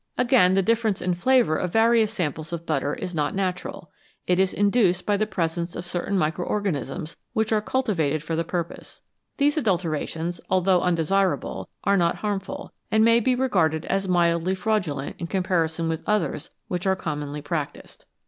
Again, the difference in flavour of various samples of butter is not natural ; it is induced by the presence of certain micro organisms which are cultivated for the purpose. These adulterations, although undesirable, are not harmful, and may be regarded as mildly fraudulent in comparison with others which are commonly practised.